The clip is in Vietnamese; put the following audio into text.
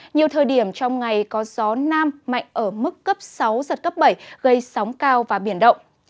nhiều thời điểm trong ngày có gió nam mạnh ở mức cấp sáu giật cấp bảy gây sóng cao và biển động